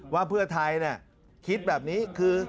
ว่าเพื่อไทยคิดแบบนี้คือ